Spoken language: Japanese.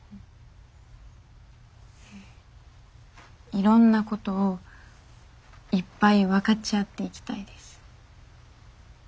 いろんなことをいっぱい分かち合っていきたいです。